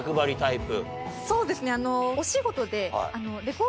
そうですね。